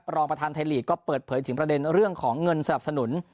รองประธานไทยลีกก็เปิดเผยถึงประเด็นเรื่องของเงินสนับสนุน